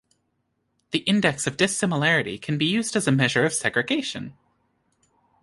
The index of dissimilarity can be used as a measure of segregation.